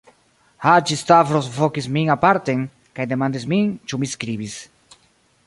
Haĝi-Stavros vokis min aparten, kaj demandis min, ĉu mi skribis.